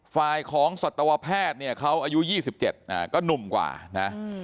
ฝ่ายของสัตวแพทย์เนี่ยเขาอายุ๒๗ก็หนุ่มกว่านะ